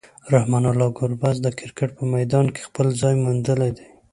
رحمان الله ګربز د کرکټ په میدان کې خپل ځای موندلی دی.